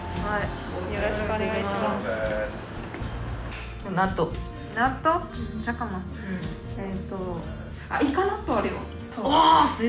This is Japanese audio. よろしくお願いします。